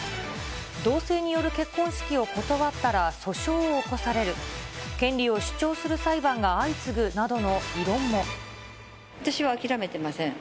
同性による結婚式を断ったら訴訟を起こされる、権利を主張する裁私は諦めてません。